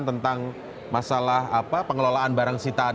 tentang masalah pengelolaan barang sitaan